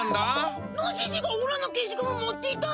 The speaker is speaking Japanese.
ノシシがおらの消しゴム持っていっただ。